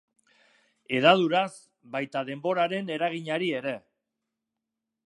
Hedaduraz, baita denboraren eraginari ere.